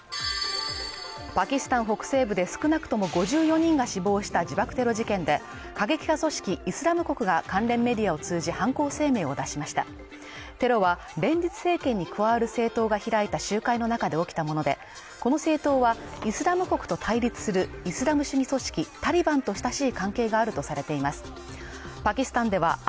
パキスタン北西部で少なくとも５４人が死亡した自爆テロ事件で過激派組織イスラム国が関連メディアを通じて犯行声明を出しましたテロは連立政権に加わる政党が開いた集会の中で起きたものでこの政党はイスラム国と対立するイスラム主義組織タリバンとヘイ！